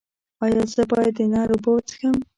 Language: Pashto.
ایا زه باید د نل اوبه وڅښم؟